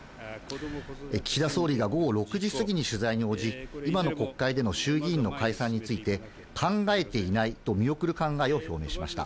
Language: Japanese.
岸田総理が午後６時過ぎに取材に応じ、今の国会での衆議院の解散について、考えていないと見送る考えを表明しました。